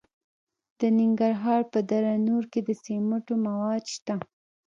د ننګرهار په دره نور کې د سمنټو مواد شته.